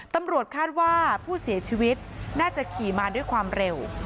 ตำรวจคาดว่าผู้เสียชีวิตน่าจะขี่มาด้วยความเร็ว